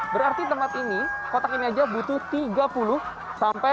berarti tempat ini kotak ini saja butuh tiga puluh sampai tiga puluh